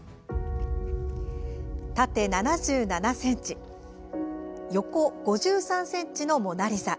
縦７７ｃｍ、横５３ｃｍの「モナ・リザ」。